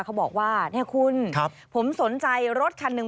เขาบอกว่าเนี่ยคุณผมสนใจรถคันหนึ่ง